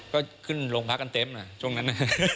ก็ขึ้นโรงพรรคกันเต็มนะช่วงนั้นน่ะ